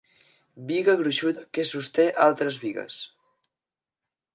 Biga gruixuda que sosté altres bigues.